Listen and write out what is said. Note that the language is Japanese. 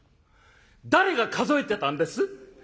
「誰が数えてたんです？」。